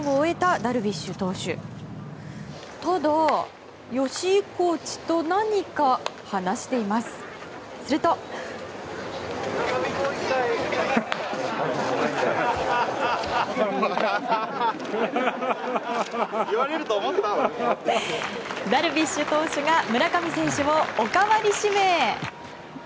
ダルビッシュ投手が村上選手をおかわり指名。